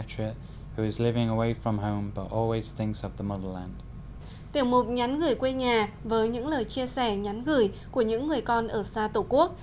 tiểu mục nhắn gửi quê nhà với những lời chia sẻ nhắn gửi của những người con ở xa tổ quốc